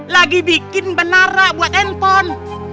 lagi bikin benara buat anton